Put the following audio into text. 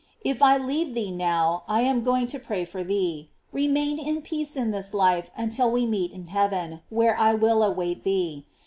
If I leave thee now, I am going to pray for thee. Remain in peace in this life until we meet iri heaven, where I will await thee.